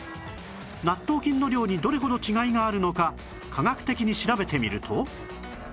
納豆菌の量にどれほど違いがあるのか科学的に調べてみると